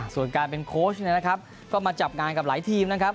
ส่วนการเป็นโค้ชเนี่ยนะครับก็มาจับงานกับหลายทีมนะครับ